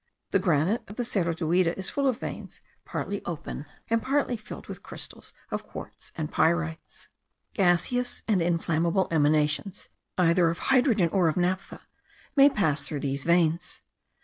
The granite of the Cerro Duida is full of veins, partly open, and partly filled with crystals of quartz and pyrites. Gaseous and inflammable emanations, either of hydrogen or of naphtha, may pass through these veins.